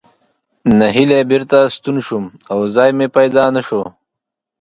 نهیلی بېرته ستون شوم او ځای مې پیدا نه شو.